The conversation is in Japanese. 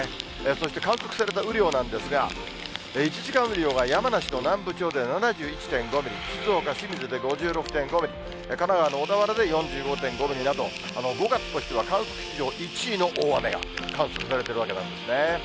そして、観測された雨量なんですが、１時間雨量が山梨の南部町で７１．５ミリ、静岡・清水で５６．５ミリ、神奈川の小田原で４５．５ミリなど、５月としては観測史上１位の大雨が観測されているわけなんですね。